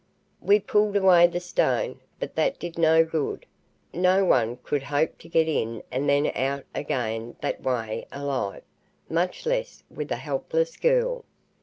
We pulled away the stone, but that did no good. No one could hope to get in and then out again that way alive much less with a helpless girl.